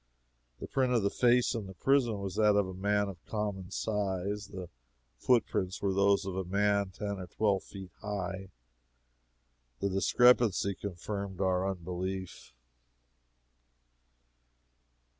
The print of the face in the prison was that of a man of common size; the footprints were those of a man ten or twelve feet high. The discrepancy confirmed our unbelief.